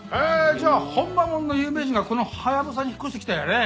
じゃあほんまもんの有名人がこのハヤブサに引っ越してきたんやね。